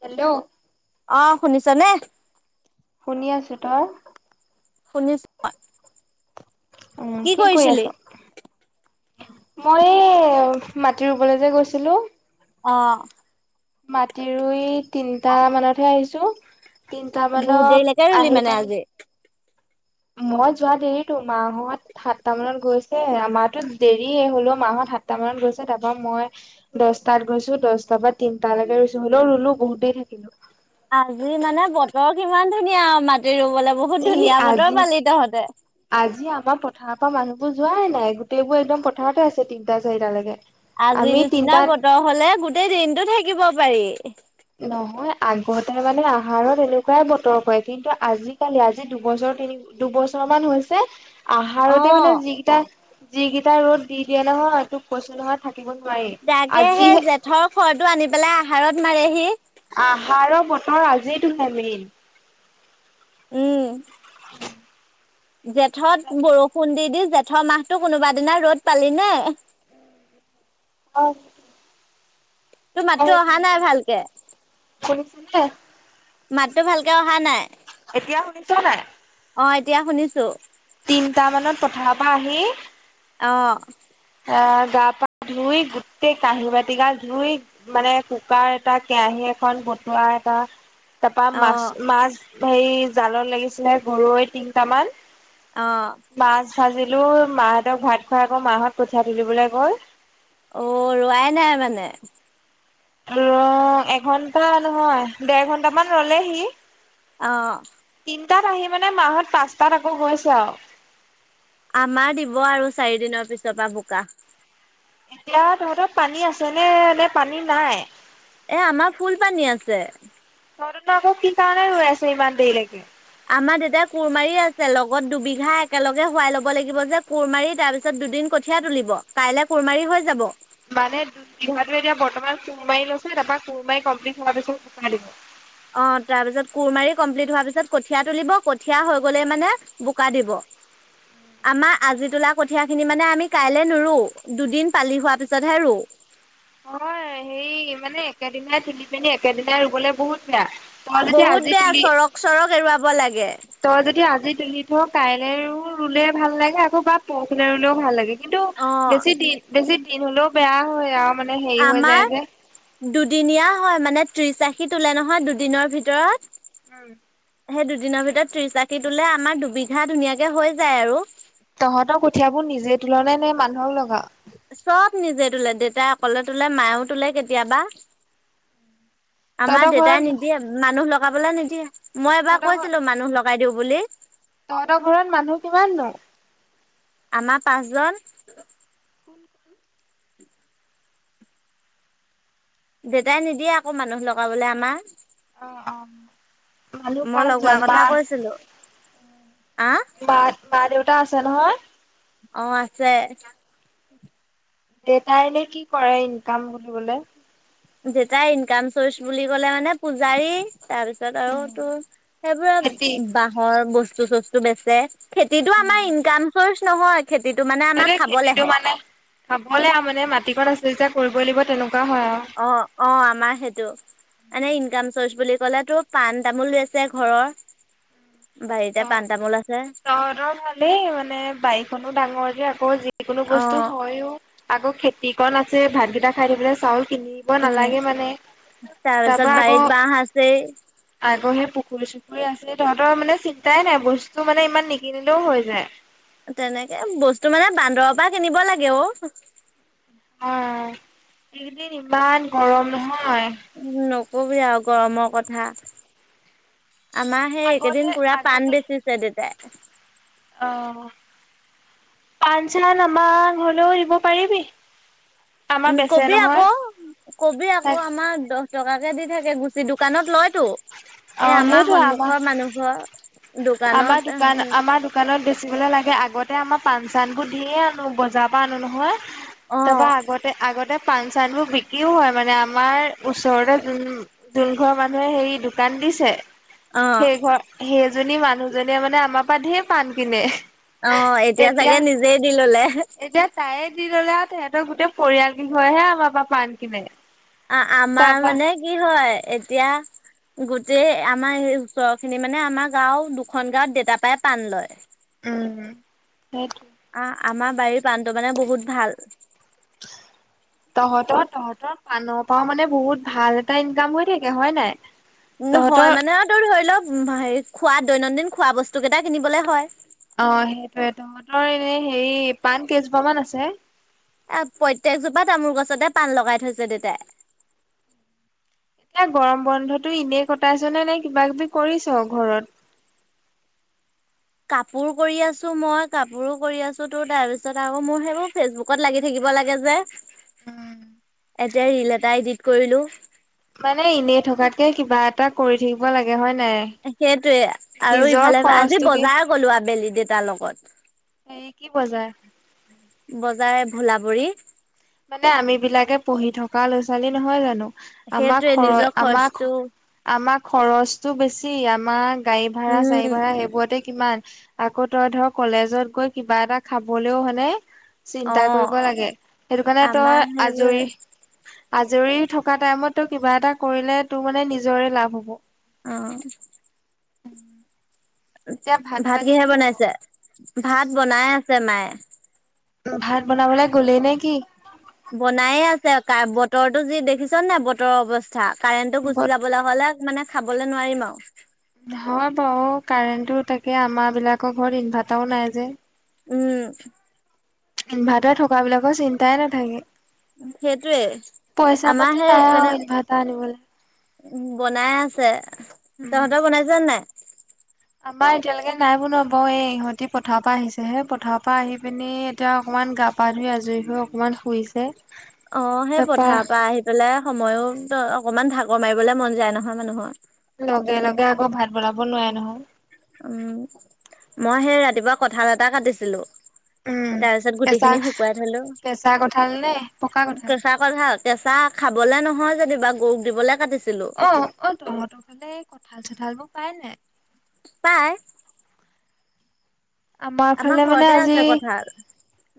Hello অ শুনিছ নে শুনি আছো তই শুনিছ উম কি কৰি আছো মই এই মাটি ৰুবলৈ যে গৈছিলো অ মাটি ৰুই তিনটা মানতহে আহিছো তিনিটা মান বহুত দেৰিলৈকে ৰুলি আহি মানে পানি আজি মই যোৱা দেৰিতো মাহত সাতটা মানত গৈছে মাহো দেৰি হলেও মাহত সাতটা মানত গৈছে তাৰপৰা মই দছটাত গৈছো দশটাাৰ বা তিট লকে ৰুইছো হলেও ৰুলো বহুতেই থাকিলো আজি মানে বতৰ কিমান ধুনীয়া আৰু মাটি ৰুবলৈ বহুত এই ধুনীয়া বতৰ আজি পালি তহঁতে আজি আমাৰ পথাৰৰ পৰা মানুহবোৰ যোৱাই নাই গোটেইবোৰ একদম পথাৰতে আছে তিনিটা চাৰিটালৈকে আজি আমি নিচিনা তিনটাত বতৰ হলে গোটেই দিনতটো থাকিব পাৰি নহয় আগতে মানে আহাৰত এনেকুৱাই বতৰ হয় কিন্তু আজি ালি আজি দুবছৰ তিনি দুবছৰ মান হৈছে অ আহাৰতে মানে যিিকেইটা যিিকেইটা ৰ'দ দি দিয়ে নহয় তোক কৈছো নহয় থাকিব নোৱাৰি আজিহে থৰ খৰটো আনি পেলাই আহাৰত মাৰেহি আহাৰৰ বথৰ আজেই তোহে মেইন উম জেঠত বৰষুণ দি দি জেঠৰ মাহতটো কোনোবা দিনা ৰ'দ পালি নে অ তোৰ ত মাততো অহা তিনিছ নাই ভালকে শনিছ নে মাতটো ভালকৈ অহা নাই এতিয়া শুনিছ নাই অ এতিয়া শুনিছো তিনটা মানত পথাৰ পৰা আহি অ অ গা পা ধুই গোটেই কাঁহী বাতি গা ধুই মানে কুকাৰ এটা কেৰাহী এখন বতোৱা এটা তাৰপা অ মাছ মাছ হেৰি জালত লাগিছিলে গৰৈ তিনটামান অ মাছ ভাজিলো মাহঁতক ভাত খুৱাই আকৌ মাহঁত কঠিয়া তুলিবলৈ কৈ অ ৰোৱাই নাই মানে ৰ এঘন্টা নহয় দেৰ ঘন্টামান ৰলেহি অ তিনটাত আহি মানে মাহত পাঁচটাত আকৌ গৈছে আৰু আমাৰ দিব আৰু চাৰি দিনৰ পিছৰ পৰা বোকা এতিয়া তহঁতৰ পানী আছে নে নে পানী নাই এ আমাৰ ফুল পানী আছে নন আকৌ কিি কাৰ হৈ আছে ইমান দেৰিলৈকে আমাৰ দেউতাই কোৰমাৰি আছে লগত দুবিঘা একেলগে শুৱাই লব লাগিব যে কোৰ মাৰি তাৰ পিছত দুদিন ক কঠীয়াা তুলিব কাইলে কুৰমাৰি হৈ যাব মানে দু বিঘা মাটি এতিয়া বৰ্তমান কুৰ মাৰি লৈছে তাৰাপৰা কুৰমাৰি কমপ্লিট হ পিছতাই দিব অ তাৰ পিছত কোৰ মাৰি কমপ্লিট হোৱাৰ পিছত কঠিয়া তুলিব কঠীয়া হৈ গলেই মানে বোকা দিব [inaudible] আমাৰ আজি তোলা কঠিয় খিনি মানে আমি কাইলৈ নৰো দুদিন পালি হোৱা পিছতহে ৰু অ হেৰি মানে একেদিনাই তুলিি পিনি একেদিনাই ৰুবলে বহুত বেয়া তই যদি বহুত আজি বেয়া তুলি চৰক চৰক এৰুৱাব লাগে তই যদি আজি তুলি থ কাইলে ৰুলে ভাল লাগে আকৌ বা পৰহিলে ৰুলেও ভাল লাগে কিন্তু অ বেছি দিন বেছি দিন হ'লেও বেয়া হয় আৰু মানে হেৰি হৈ আমাৰ যায় যে। দুদিনীয়া হয় মানে ত্ৰিশ আশী তোলে নহয় দুদিনৰ ভিতৰত উম সেই দুদিনৰ ভিতৰত ত্ৰিশ আশি তোলে আমাৰ দুবিঘা ধুনীয়াকে হৈ যায় আৰু তহঁতৰ কঠিয়াবোৰ নিজে তুলনা নে মানুহক লগাও চব নিজে তোলে দেউতাই অকলে তোলে মায়ও তোলে কেতিয়াবা আমাৰ তহঁতৰ ঘৰত দেউতাই নিদিয়ে মানুহ লগাবলে নিদিয়ে মই এবাৰ তহঁতৰ ঘৰ কৈছিলো মানুহ লগ লগাই দিওঁ বুলি তহঁতৰ ঘৰত মানুহ কিমাননো আমাৰ পাঁচজন কোন কোন উ দেউেতাই নিদিয়ে আকৌ মানুহ লগাবলৈ আমাৰ অ', অ', মানুহ মই পাঁচজন লগোৱাৰ কথা মা কৈছিলো আ বা বাা দেউতা আছে নহয় অ আছে দেউ তাই এনে কি কৰে ইনকাম বিলিবলে দেউতাই ইনকাম চৰ্চ বুলি ক'লে মানে পূজাৰী তাৰপিছত তাৰপিত আৰু তোৰ খেতি সেইবোৰা বাঁহৰ বস্তু চস্তু বেছে খেতিতটো আমাৰ ইনকাম চৰ্চ নহয় খেতিটো মানে আমাৰ খাবলৈহে হাবলে আৰু মানে মাটিকন আছে যেতিয়া কৰিবই লাগিব তেনেকুৱা হয় আৰু অ অ আমাৰ সেইটো এনেে ইনকাম চৰ্চ বুলি ক'লে তো পাণ তামোল আছে ঘৰৰ ত বাৰতিয়া পান তামোল আছে তহঁতৰ ভালেই মানে বাৰিখনো ডাঙৰ যে আকৌ যিকোনো অ বস্তু হয়ও আকৌ খেতি কণ আছে ভাতকেইটা খাই থ পাই চাউল কিনি দিব উম নালাগে মানে তাৰ তাৰপিছত পৰাা আকৌ বাৰীত বাঁহ আছেই আগৰ সেই পুখুৰী চুখুৰী আছিল তহঁতৰ মানে চন্তা তাই নাই বস্তু মানে ইমান নিকিনিলেও হৈ যায় তেনেকে বস্তু মানে বান্দৰৰ পৰা কিনিব লাগে অ অ এইকেইদিন ইমান গৰম নহয় উম নকবি আৰু গৰমৰ কথা আমাৰ সেই এইকেদিন পুৰা পাণ বেচিছে দেতাই আহ পান চান আমাক হলেওে এৰিব পাৰিবি আমাৰ উম, বেচে কবি নহয় আকৌ, কবি আকৌ, তাক আমাৰ দ টকাকে দি থাকে, গুচি দোকানত লয়তো অ এ আমাৰ সেইটো সন্মুখৰ মানুহ ঘৰ দোকানত আমাৰ দোকান আমাৰ দ দোকানত বেচিবলৈ লাগে, আগতে আমাৰ পা চানবোৰ দিয়ে আনো বজাৰ পৰা আনো নহয় অ তাৰপা, আগতে আগতে পাণ চানবোৰ বিক্ৰীও হয় মানে, আমাৰ ওচৰতে যোন জোন ঘৰ মানুহে হেৰি দোকান দিছে অ সেই ঘৰ সেইজনী মানুহজনীয়ে মানে, আমাৰ পৰাাত ধে পাণ কিনে অ ', এতিয়া চাগে নিজেই দি ললে- তাইে দি ল'লে আৰু, তেহেতৰ গোটেই পৰিয়াল কি হয়হে আমাৰ পৰা পাণ কিনে অ', মাৰ তাৰপা মানে, কি হয় এতিয়া গোটেই আমাৰ এই ওচৰৰ খিনি মানে, আমাৰ গাঁওৰ দুখন গাঁৱত দেউত পায় পাণ লয় উম, সেইটো অ', আমাৰ বাৰীৰ প্ৰাণটো মানে বহুত ভাল [inaudible] তহতৰ, তহতৰ, পাণৰ পৰা মানে বহুত ভাল এটা ইনকাম হৈ থাকে হয় নাই তহঁতৰ হয় মানে, আৰু ধৰি লওক হেৰি খোৱা দৈনন্দিন খোৱা বস্তু কেইটা কিনিবলে হয় অ', সেইটোয়ে তহঁতৰ এনে হেৰি পাণ কেইজোপা মান আছে এ প্ৰত্তকজোপা তামোল গছতে পান লগাই থৈছে দেতাই এয়া গৰম বন্ধতটো এনেই কটাইছ নে, নাই কিবা কিবি কৰিছ ঘৰত কাপোৰ কৰি আছো, মই কাপোৰো কৰি আছো তো তাৰ পিছত আকৌ মোৰ সেইবোৰ ফেচবুক ত লাগি থাকিব লাগে যে এতিয়া ৰিল এটা এডিট কৰিলো মানে, এনেই থকাতকে কিবা এটা কৰি থাকিব লাগে হয় নাই সেইটয়ে, আৰু নিজৰ ইফালে আজি খৰচটো কি বজাৰ কলো আবেলি দেউতাৰ লগত হেৰি কি বজাৰ বজাৰে ভোলাবৰি মানে, আম বিলাকে পঢ়ি থকা ল'ৰা ছোৱালী নহয় জানো আমাক সেইটোৱে খৰ নিজৰ আমাক খৰচটো আমাৰ খৰচটো বেছি, আমাৰ গাড়ী ভাড়া চাৰী উম ভাড়া সেইবোৰতে কিমান আকৌ তই ধৰ, কলেজত গৈ কিবা এটা খাবলৈও হানে অ চিন্তা কৰিব লাগে সেইটো কাৰণে আমাৰ তই সেইবোৰে আজৰি আজৰি থকা টাইমতটো কিবা এটা কৰিলে তোৰ মানে, নিজৰে লাভ হ'ব অ', এতিয়া ভাত পানী কিহে কি হ'ব বনাইছে? ভাত বনাই আছে মায়ে ভাত বনাবলৈ গ'লেই নে কি? বনায়ে আছে, বতৰটো যি দেখিছ নাই বতৰৰ অৱস্থা কাৰেণ্টটো গুচি যাবলৈ হ'লে মানে খাবলৈ নোৱাৰিম আৰু হয় বাৰু, কাৰেণ্টটো তাকে আমাৰ বিলাকৰ ঘৰত ইনভাৰ্টাৰো নাই যে উম, ইনভাৰ্টাৰ থকা বিলাকৰ চিন্তাই নাথাকে সেইটোৱে পইচা আমাৰ পাতি নাই আৰু, ইনভাৰ্টাৰ আনিব লাগে উম বনাই আছে, উম। তহঁতৰ বনাইছ নাই? আমাৰ এতিয়ালৈকে নাই বনোৱা বাৰু, এই ইহঁতি পথাৰ পৰা আহিছে হেই পথাৰৰ পৰা আহি পিনি এতিয়া অকনমান গাপ পা ধুই আজৰি হৈ অকণমান শুইছে অ', সেই তাৰপা পথাৰৰ পৰা আহি পেলাই, সময়ো অকমান ভাকৰ মাৰিবলৈ মন যায় নহয় মানুহৰ লগে লগে আকৌ ভাত বনাব নোৱাৰে নহয় উম, মই সেই ৰাতিপুৱা কঠাল এটা কাটিছিলো উম। তাৰ পিছত গুটি কেঁচা খিনি শুকুৱাই থলো কেঁচা কঁঠাল নে পকা কঁঠাল? ভাল কেচা খাবলে নহয়, যেনিবা গৰুক দিবলে কাটিছিলো অ, অ, তহঁতৰ ফালে এই কঁঠাল চঠাল বোৰ পাই নাই? পাই, আমাৰ ফালে মানে ঘৰতে আজি আছে কঁঠাল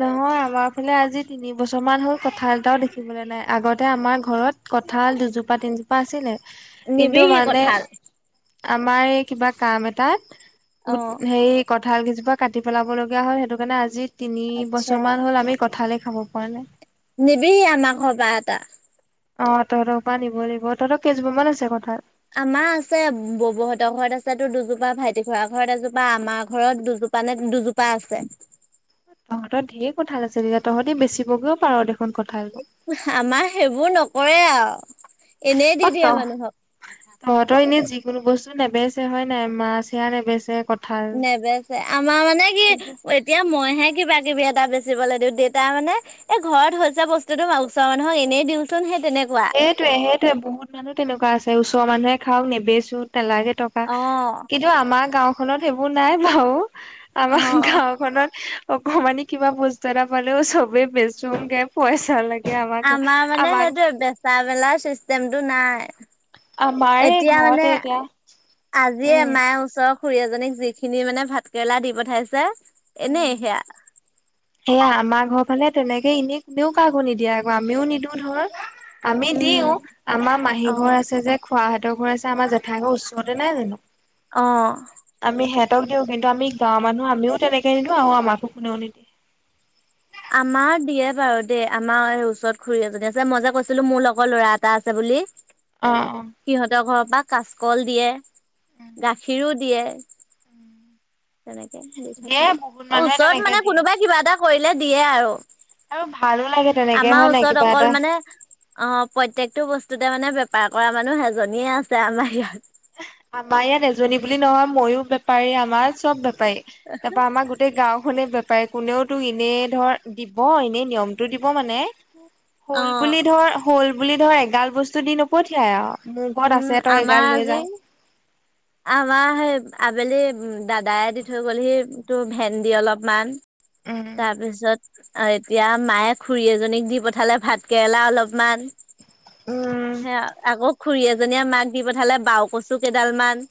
নহয় আমাৰ ফালে আজি তিনি বছৰ মান হল কথা এটাও দেখিবলৈ নাই আগতে আমাৰ ঘৰত কঁঠাল দুজোপা তিনিজোপা ছিলে কিন্তু নিবিহি মানে কঁঠাল আমাৰ এই কিবা কাম এটাত, অ হেৰি কঁঠাল কেইজোপা কাটি পেলাব লগগা হয় সেইটো কাৰণে আজি তিনি আচ্ছা বছৰ মান হ'ল আমি কঁঠালে খাব পৰা নাই। নিবিহি আমাৰ ঘৰৰ পৰা এটা। অ, তহঁতৰ পৰা নিব লাগিব তহঁতৰ কেইজোপা মান আছে কথাল? আমাৰ আছে ববহঁতৰ ঘৰত আছে তো দুজোপা ভাইটি ঘ ঘৰত এজোপা আমাৰ ঘৰত দুজোপা নে দুজোপা পা আছে। তহঁতৰ ধঢেৰ কঠাল আছে তেতিয়া তহঁতি বেচিবগৈও পাৰ দেখোন কথাল। আমাৰ সেইবোৰ নকৰে আৰু এনেই অ দি দিয়ে তহ মানুহক। তহঁতৰ এনে যিকোনো বস্তু নেবেচছে হয় নাই মাছ হেিয়য়া নেবেছে ক নেবছে আমাৰ মানে কি এতিয়া মইহে কিবা কিবি এটা বেচিবলৈ দিওঁ দেউতা মানে, এ ঘৰত হৈছে বস্তুতটো ম ওচৰ মানুহক এনেই দিওঁচোনে সেই তেনেকুৱা সেইটয়ে সেইটয়ে বহুত মানুহ তেনেুৱ আছে ওচৰৰ মানুহে খাওক নেৱেছোঁ নেলাগে ত অ কিন্তু আমাৰ গাওখনত এইেইবোৰ নাই বাৰু অ আমাৰ গাওখনত অকমানি কিবা বস্তু এটা পালেও চবে বেচুকে পইচা লাগে। আমাক আমাৰ মানে আমাক সেইটোয়ে বেচা বেলা চিষ্টেমতটো নাই। আমাৰে এতিয়া ঘৰতে মানে এতিয়া আজিয়ে উম মায়ে ওচৰৰ খুৰী এ জনীক যিখিনি মানে ভাত কেৰেলা দি পঠাইছে উম এনেই সেয়া। সেয়া আমাৰ ঘৰ ফালে তেনেকে এনেই কোনেও কাকো নিদিয়ে আকৌ আমিও নিদিওঁ ধৰ, আমি উম দিও আমাৰ মাহী অ ঘৰ আছে যে খোৱাহতৰ ঘৰ আছে আমাৰ জেঠাই ঘৰ ওচৰতে নাই জানো, অ, আমি সিহতক দি কিন্তু আমি গাঁৱ মানহ আমি তেনেকে নিদিওঁ আৰু আমাকো কোনেও নিদিয়ে। আমাৰ দিয়ে বাৰু দেই আমাৰ স ওচৰত খুুৰী এজনী আছে মই যে কৈছিলো মোৰ লগৰ ল'ৰা এটা আছে বুলি, [inaudible] অ, অ, সিহঁতৰ ঘৰৰ পৰা কাচকল দিয়ে গাখীৰো দিয়ে। তেনেকে দি দিয়ে থাকে বহুত আৰু মানুহে ওচৰত তেনেকে মানে দিয়ে কোনোবাই কিবা এটা কৰিলে দিয়ে আৰু। আৰু ভালো লাগে তেনেকে আমাৰ হয় নাই ওচৰত কিবা এটা। অকল মানে, অ, প্ৰত্যেকটো বস্তুতে মানে বেপাৰ কৰা মানুহ এজনীয়ে আছে আমাৰ ইয়াত, আমাৰ ইয়াত এজনী বুলি নহয় ময়ো বেপাৰী আমাৰ চব বেপাৰী। তাৰপা আমাৰ গো গোটেই গাঁওখনে বেপাৰী কোনেওতো এনেই ধৰ দিব এনেই নিয়মটো দিব মানে, অ হল বুলি ধৰ হল বুলি ধৰ এগাল বস্তু দি নপঠিয়াই আৰু। মোৰ ঘত উম আছে তই আমাৰ এইগাৰ লৈ আজি যাই। আমাৰ সেই আবেলি দাদাই দি থৈ গ'লহি তোৰ ভেন্দ অলপমান, উম তাৰপিছত এতিয়া মায়ে খুৰী এজনীক দি পঠালে ভাত কেৰেলা অলপমান, উম সে আকৌ খুৰী এজনীয়ে মাক দি পঠালে বাও কচো কেইডাল মান।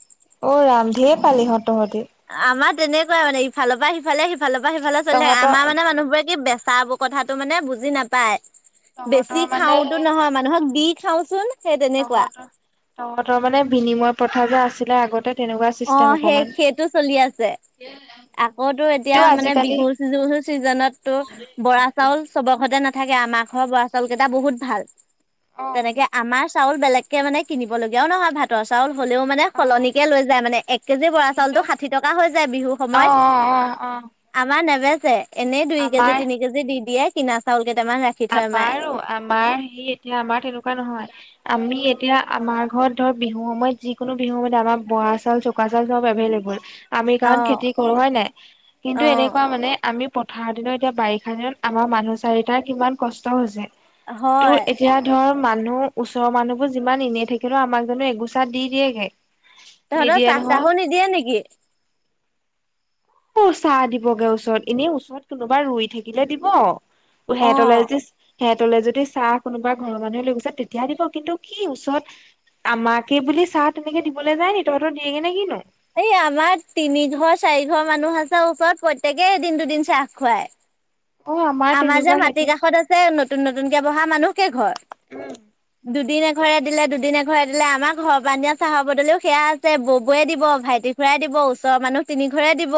অ, ৰামধে পালি হঁত তহঁতি। আমাৰ তেনেকুৱাই মানে ইফৰ পৰা সিফালে সিফালৰ পৰা সিফালে চলিয়ে থাকে তহঁতৰ আমাৰ মানে মানুহবোৰে কি বেচা কথাটো মানে বুজি নাপায় বেছি তহঁতৰ মানে খাওতো সেই নহয় মানুহক দি খাওচোন, সেই তেনেকুৱা তহঁতৰ তহঁতৰ মানে বিনিময় প্ৰথা যে আছিলে আগতে, তেনেকুৱা অ, চিষ্টেম অকমান। সেই-সেইটো চলি আছে। আকৌ তো কিন্তু এতিয়া মানে আজিকালি বিহু চি চিজনত তো বৰা চাউল, চবৰ ঘৰতে নাথাকে আমাৰ ঘৰৰ বৰা চাউল কেইটা বহুত ভাল, অ তেনেকে আমাৰ চাউল বেলেগকে মানে কিনলগীয়াও নহয় ভাতৰ চাউল হ'লেও মানে অ সলনিকে লৈ তৰমানে এক কেজি বৰা কিন্তু চাউলতটো ষাঠি টকা হৈ যায় বিহুৰ অ সময়ত। অ অ অ আমাৰ নেবেচে এনেই দুই কেজি আমাৰ তিনি কেজি দি দিয়ে কিনা চাউল কেইটামান ৰাখি থয় মায়ে আমাৰো, আমাৰ সি এতিয়া আমাৰ তেনেকুৱা নহয়। আমি এতিয়া আমাৰ ঘৰত ধৰ বিহু সময়ত যিকোনো বিহু সময়ত আমাৰ বৰা চাউল চব। [unintelligible] চব এভেল-এভোল, আমি অ কাৰণ খেতি কৰো হয় নাই। কিন্তু অ এনেকুৱা মানে আমি পথাৰৰ দিনত এতিয়া বাৰিষা দিনত আমাৰ মানুহ চাৰিটাৰ কিমান কষ্ট হৈছে। তোৰ হয় এতিয়া ধৰ মানুহ ওচৰৰ মানুহবোৰ যিমান এনেই থাকিলে আমাক জানো এগোচাত দি দিয়েগে। তহঁতৰ নিদিয়ে নহয়। চাহ-তাহো নিদিয়ে নেকি? ক'ত চাহ দিবগে ওচৰত, এনেই ওচৰত কোনোবা ৰুই থাকিলে দিব। অ সেহেতলে যে সেহেতলে যদি চাহ কোনোবা ঘৰৰ মানুহে লৈ গৈছে তেতিয়া দিব। কিন্তু কি ওচৰত আমাকে বুলি চাহ তেনেকে দিবলৈ যায় নি তহঁতৰ দিয়ে গে নে কিনো? এই আমাৰ তিনি ঘৰ চাৰি ঘৰ মানুহ আছে ওপৰত প্ৰত্যয়েকেই এদিন দূদিন চাহ খুৱায়। অ' আমাৰ যে তেনেকুৱা সেইটো মাটি উম। কাষত আছে নতুন নতুনকে বহা মানুহ কেেই ঘৰ। দুদিন এঘৰে দিলে দুদিন এঘৰে দিলে, আমাৰ ঘৰৰ পৰা দিয়া চাহৰ বদলিও সেয়া আছে ববৌয়ে দিব ভাইটিক। ঘুৰাই দিব ওচৰৰ মানুহ খিনিক ঘূৰাই দিব।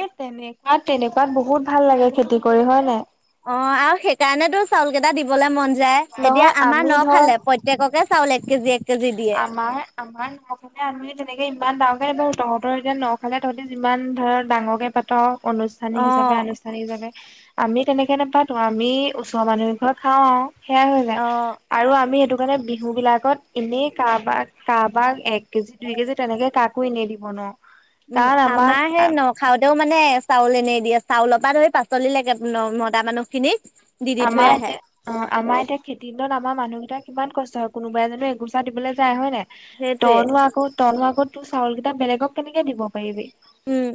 এ তেনেকুৱাত তেনেকুৱাত বহুত ভাল লাগে খেতি কৰি হয় নাই। অ আৰু সেইকাৰণেতো চাউল কেইটা দিবলে মন যায়, এতিয়া নহয় আমাৰ আমি ন ধৰ খালে। [unintelligible] চাউল এক কেজি এক কেজি দিয়ে আমাৰ। আমাৰ ন খালে আমি তেনেকে ইমান ডাঙকে তহতৰ এতিয়া ন খালে তহতি যিমান ধৰ ডাঙৰকে পাত। অনুজ। অ স্থানীক হিচাপে আনুষ্ঠানিক হিচাপে আমি তেনেকে নাপাতো আমি ওচৰৰ মানুহৰ পৰা খাওঁ। সেয়য়া হৈ যায় অ আৰু আমি সেইটো কাৰণে বিহু বিলাকত এনেই কাৰবাক কাৰোবাক এক। কেজি দুই কেজি তেনেকে কাকো নিদিব ন উম কাৰণ আমাৰ আমাক সেই ন খাওঁতেও মানে চাউল এনেই দিয়ে চাউলৰ পৰা ধৰি পাচলি লৈকে নৰ্মদা মানুহ খিনিক আমাৰ-এতিয়া অ', আমাৰ এতিয়া খেতি [unintelligible] আমাৰ মানুহকেইটাৰ কিমান কষ্ট হয়, কোনোবাই এ জনো এগোচা দিবলে যায় হয় নাই। সেইটোৱে তইনো আকৌ তইনো আকৌ তোৰ চাউল তোৰ চাউল কেইটা বেলেগক কেনেকে দিব পাৰিবি? উম'।